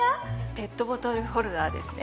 ペットボトルホルダーですね。